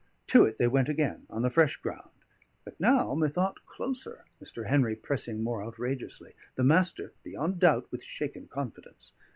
To it they went again, on the fresh ground; but now methought closer, Mr. Henry pressing more outrageously, the Master beyond doubt with shaken confidence.